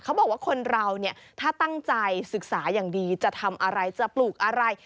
เขาบอกว่าคนเราเนี่ยถ้าตั้งใจศึกษาอย่างดีจะทำอะไรจะปลูกอะไร